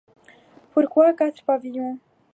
Pourquoi quatre pavillons?